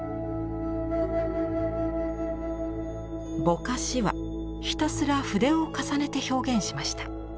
ぼかしはひたすら筆を重ねて表現しました。